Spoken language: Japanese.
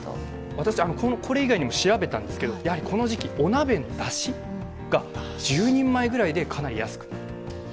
私これ以外にも調べたんですけど、この時期、お鍋のだしが１０人前ぐらいで、かなり安く。